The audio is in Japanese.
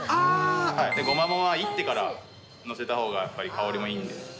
ごまもんは、いってから載せたほうが、やっぱり香りがいいんで。